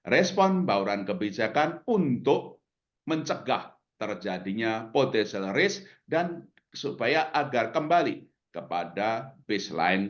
respon bauran kebijakan untuk mencegah terjadinya potential risk dan supaya agar kembali kepada baseline